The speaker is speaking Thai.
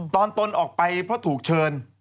ตนออกไปเพราะถูกเชิญ